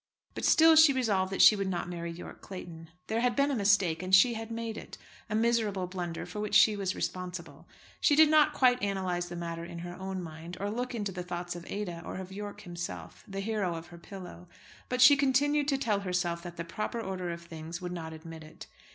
But still she resolved that she would not marry Yorke Clayton. There had been a mistake, and she had made it, a miserable blunder for which she was responsible. She did not quite analyse the matter in her own mind, or look into the thoughts of Ada, or of Yorke himself, the hero of her pillow; but she continued to tell herself that the proper order of things would not admit it.